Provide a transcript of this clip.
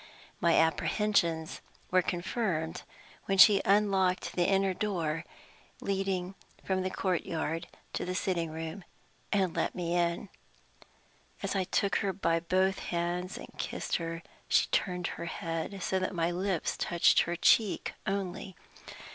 My apprehensions were confirmed when she unlocked the inner door, leading from the courtyard to the sitting room, and let me in. As I took her by both hands and kissed her, she turned her head, so that my lips touched her cheek only.